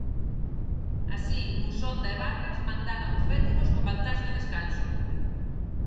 Así, Musonda e Vargas mandaban os béticos con vantaxe ao descanso.